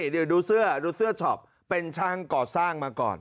ดูเสื้อช็อต์เป็นช่างเป็นช่างก่อสร้างมาก่อน